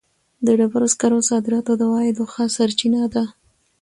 د ډبرو سکرو صادرات د عوایدو ښه سرچینه ده.